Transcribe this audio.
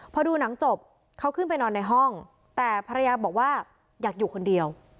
พอดูหนังจบเขาขึ้นไปนอนในห้องแต่ภรรยาบอกว่าอยากอยู่คนเดียว